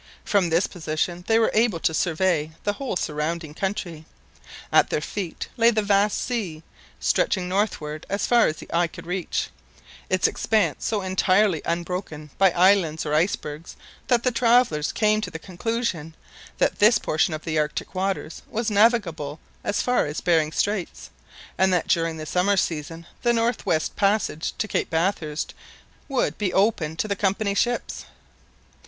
From this position they were able to survey the whole surrounding country; at their feet lay the vast sea, stretching northwards as far as the eye .could reach, its expanse so entirely unbroken by islands or icebergs that the travellers came to the conclusion, that this portion of the Arctic waters was navigable as far as Behring Straits, and that during the summer season the North West Passage to Cape Bathurst would, be open to the Company's ships.